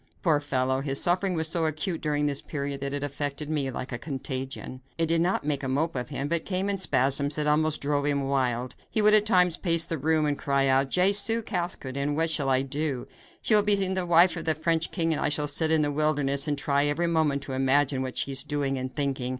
Poor fellow, his suffering was so acute during this period that it affected me like a contagion. It did not make a mope of him, but came in spasms that almost drove him wild. He would at times pace the room and cry out: "Jesu! Caskoden, what shall I do? She will be the wife of the French king, and I shall sit in the wilderness and try every moment to imagine what she is doing and thinking.